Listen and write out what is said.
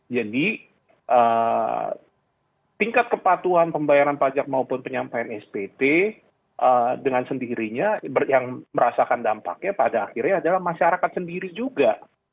jadi tingkat kepatuhan pembayaran pajak maupun penyampaian spt dengan sendirinya yang merasakan dampaknya pada akhirnya adalah masyarakat sendiri juga